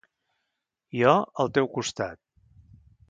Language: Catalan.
Jo, al teu costat.